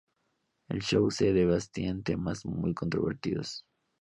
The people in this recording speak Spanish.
En el show se debatían temas muy controvertidos.